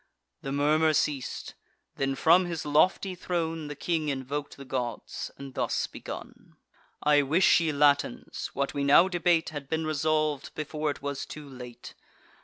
The murmur ceas'd: then from his lofty throne The king invok'd the gods, and thus begun: "I wish, ye Latins, what we now debate Had been resolv'd before it was too late.